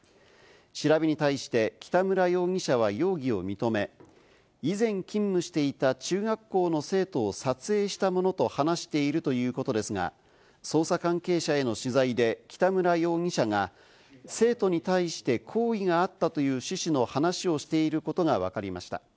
調べに対して、北村容疑者は容疑を認め、以前、勤務していた中学校の生徒を撮影したものと話しているということですが、捜査関係者への取材で北村容疑者が生徒に対して好意があったという趣旨の話をしていることがわかりました。